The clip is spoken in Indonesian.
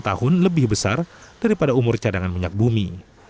sembilan belas sembilan tahun lebih besar daripada umur cadangan minyak bumi